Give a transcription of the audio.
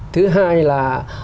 thứ hai là